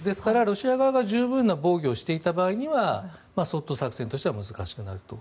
ですからロシア側が十分な配備をしていた場合は掃討作戦としては難しくなると。